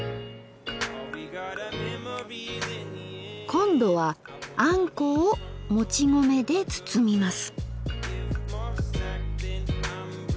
今度はあんこをもち米でつつみます。